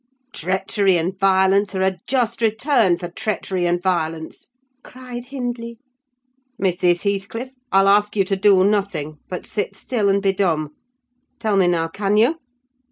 "'Treachery and violence are a just return for treachery and violence!' cried Hindley. 'Mrs. Heathcliff, I'll ask you to do nothing; but sit still and be dumb. Tell me now, can you?